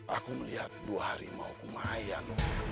aku melihat dua harimau kemayang